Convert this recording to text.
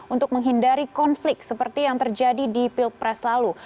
untuk menghindari konflik seperti yang terjadi di pilpres lalu